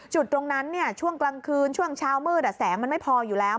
จุดตรงนั้นช่วงกลางคืนช่วงเช้ามืดแสงมันไม่พออยู่แล้ว